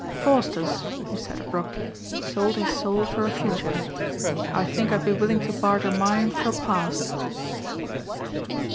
"Faustus," he said abruptly, "sold his soul for a future. I think I'd be willing to barter mine for a past."